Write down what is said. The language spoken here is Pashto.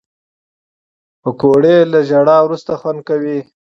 پکورې له ژړا وروسته خوند کوي